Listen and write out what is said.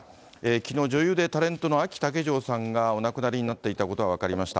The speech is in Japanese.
きのう、女優でタレントのあき竹城さんが、お亡くなりになっていたことが分かりました。